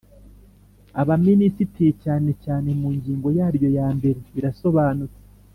Abaminisitiri cyane cyane mu ngingo yaryo yambere birasobanutse